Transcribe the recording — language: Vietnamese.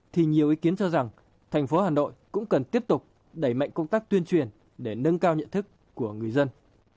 thì nhiều ý kiến cho rằng thành phố hà nội cũng cần tiếp tục đẩy mạnh công tác tuyên truyền để nâng cao nhận thức của người dân